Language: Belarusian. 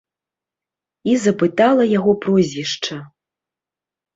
І запытала яго прозвішча.